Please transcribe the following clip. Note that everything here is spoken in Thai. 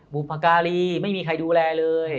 บุพการีไม่มีใครดูแลเลย